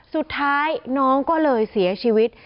สุดท้ายน้องก็เลยเสียชีวิต